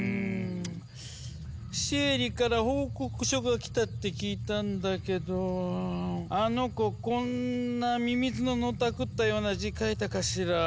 シエリから報告書が来たって聞いたんだけどあの子こんなミミズののたくったような字書いたかしら？